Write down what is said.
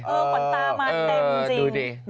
มองก่อนตามาเต็มจริง